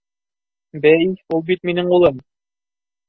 Бәй, ул бит... минең улым!